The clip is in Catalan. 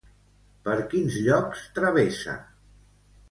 Per quins llocs travessa?